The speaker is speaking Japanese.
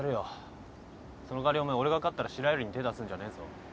その代わりお前俺が勝ったら白百合に手ぇ出すんじゃねえぞ。